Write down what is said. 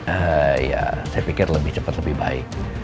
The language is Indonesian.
eh ya saya pikir lebih cepat lebih baik